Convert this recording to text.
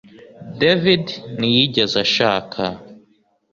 David ntiyigeze ashaka